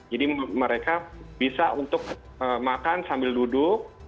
jadi mereka bisa untuk makan sambil duduk